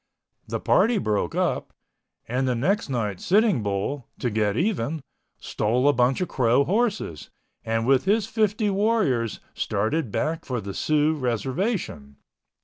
The party broke up, and the next night Sitting Bull, to get even, stole a bunch of Crow horses, and with his fifty warriors started back for the Sioux reservation.